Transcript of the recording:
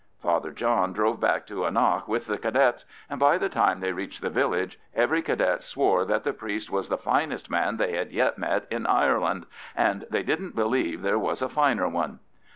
Father John drove back to Annagh with the Cadets, and by the time they reached the village every Cadet swore that the priest was the finest man they had yet met in Ireland, and they didn't believe there was a finer one.